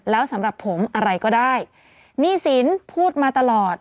แล้วสำหรับผมอะไรก็ได้หนี้สินพูดมาตลอด